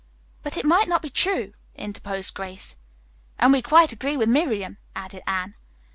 "But it might not be true," interposed Grace. "And we quite agree with Miriam," added Anne.